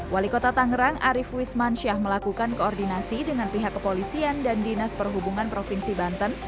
wali kota tangerang arief wismansyah melakukan koordinasi dengan pihak kepolisian dan dinas perhubungan provinsi banten